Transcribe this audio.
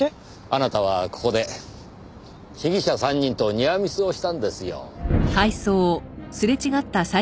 あなたはここで被疑者３人とニアミスをしたんですよ。